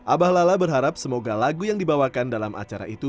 abah lala berharap semoga lagu yang dibawakan dalam acara itu